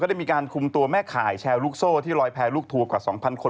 ได้มีการคุมตัวแม่ข่ายแชร์ลูกโซ่ที่ลอยแพ้ลูกทัวร์กว่า๒๐๐คน